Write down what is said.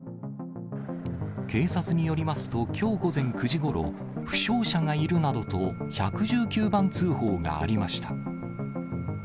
数名の自衛官と思われる男性警察によりますと、きょう午前９時ごろ、負傷者がいるなどと１１９番通報がありました。